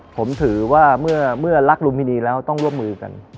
ผมถือว่าเมื่อรักลุมพินีแล้วต้องร่วมมือกัน